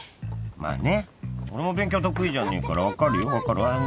まあね俺も勉強は得意じゃねえから分かるよ分かる分かってくれた？